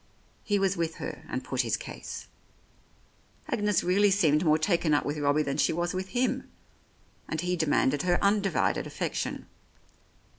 He was with her and put his case. Agnes really seemed more taken up with Robbie than she was with him, and he demanded her undivided affection.